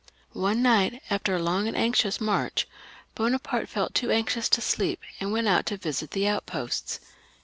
One night, after a long and anxious march, Bonaparte felt too anxious to sleep, and went out to visit the outposts.